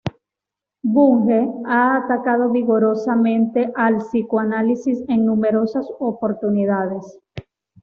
Bunge ha atacado vigorosamente al psicoanálisis en numerosas oportunidades.